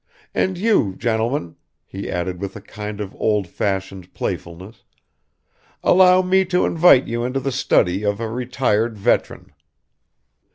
and you, gentlemen," he added with a kind of old fashioned playfulness "allow me to invite you into the study of a retired veteran."